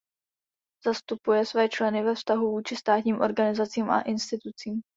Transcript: Zastupuje své členy ve vztahu vůči státním organizacím a institucím.